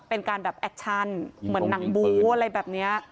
เป็นการแบบแอคชั่นเหมือนหนังบู๊อะไรแบบนี้